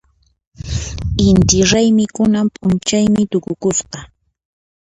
Inti raymi kunan p'unchaymi tukukusqa.